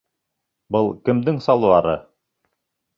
Был кемдең салбары?